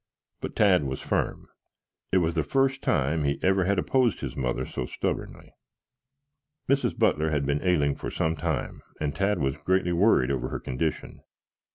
But Tad was firm. It was the first time he ever had opposed his mother so stubbornly. Mrs. Butler had been ailing for some time and Tad was greatly worried over her condition.